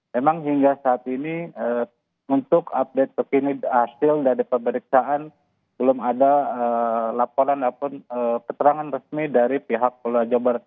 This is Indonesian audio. memang hingga saat ini untuk update terkini hasil dari pemeriksaan belum ada laporan ataupun keterangan resmi dari pihak polda jawa barat